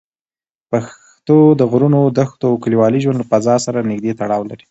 پښتو د غرونو، دښتو او کلیوالي ژوند له فضا سره نږدې تړاو لري.